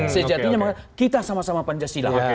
sejatinya kita sama sama pancasila